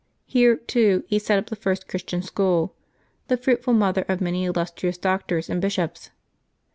Here, too, he set up the first Christian school, the fruitful mother of many illustrious doctors and bishops.